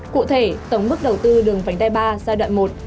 cụ thể tổng mức đầu tư đường vành đai ba giai đoạn một